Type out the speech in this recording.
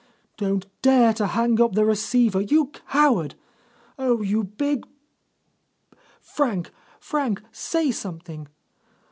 Don't dare to hang up the receiver, you coward ! Oh, you big ... Frank, Frank, say something!